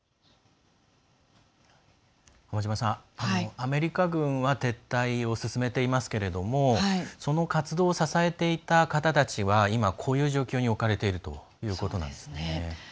アメリカ軍は撤退を進めていますがその活動を支えていた方たちは今、こういう状況に置かれているということなんです。